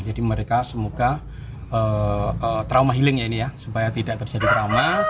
jadi mereka semoga trauma healing ya ini ya supaya tidak terjadi trauma